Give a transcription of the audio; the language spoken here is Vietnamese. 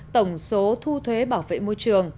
tổng số thu thuế bảo vệ môi trường